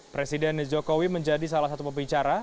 presiden jokowi menjadi salah satu pembicara